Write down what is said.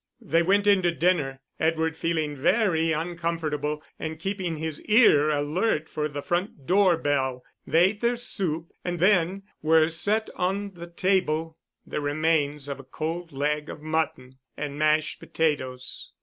They went in to dinner, Edward feeling very uncomfortable, and keeping his ear alert for the front door bell. They ate their soup, and then were set on the table the remains of a cold leg of mutton and mashed potatoes.